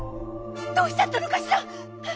どうしちゃったのかしら。